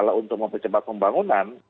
kalau untuk mempercepat pembangunan